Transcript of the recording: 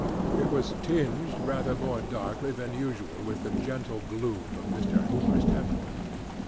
It was tinged rather more darkly than usual with the gentle gloom of Mr. Hooper's temperament.